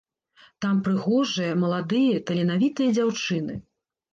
Там прыгожыя, маладыя, таленавітыя дзяўчыны.